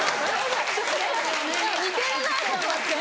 似てるなと思って。